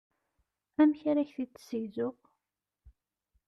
Amek ara k-t-id-ssegzuɣ?